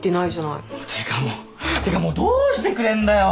てかもうてかもうどうしてくれんだよ。